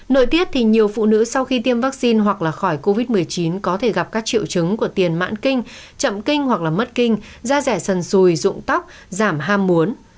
nội tiết thì nhiều phụ nữ sau khi tiêm vaccine hoặc là khỏi covid một mươi chín có thể gặp các triệu chứng của tiền mãn kinh chậm kinh hoặc là mất kinh da rẻ sần xùi rụng tóc giảm ham muốn